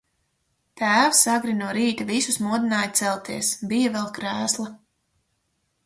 Tēvs agri no rīta visus modināja celties, bija vēl krēsla.